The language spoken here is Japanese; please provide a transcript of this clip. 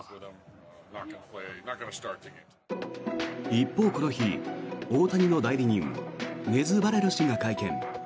一方、この日、大谷の代理人ネズ・バレロ氏が会見。